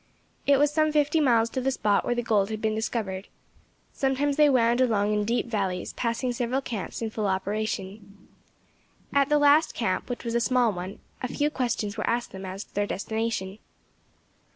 It was some fifty miles to the spot where the gold had been discovered. Sometimes they wound along in deep valleys, passing several camps in full operation. At the last camp, which was a small one, a few questions were asked them as to their destination.